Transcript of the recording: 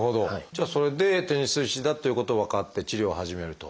じゃあそれでテニス肘だっていうことが分かって治療を始めると。